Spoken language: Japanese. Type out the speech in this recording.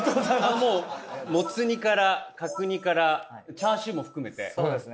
もうモツ煮から角煮からチャーシューも含めてそうですね